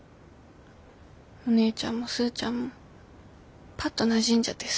お姉ちゃんもスーちゃんもパッとなじんじゃってすごいよ。